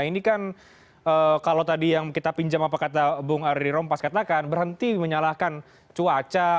ini kan kalau tadi yang kita pinjam apa kata bung ari rompas katakan berhenti menyalahkan cuaca